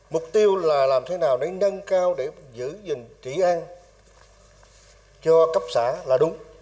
mục tiêu là làm thế nào để nâng cao để giữ gìn thị an